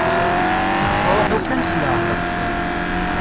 Ttruḥu kan s leɛqel.